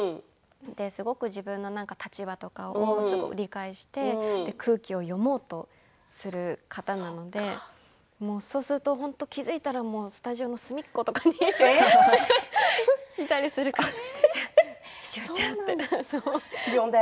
すごく自分の立場とかを理解して空気を読もうとする方なのでそうすると気付いたらスタジオの隅っことかにいるんです。